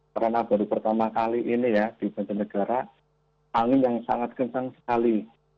karena baru pertama kali ini ya di banjar negara angin yang sangat kencang sekali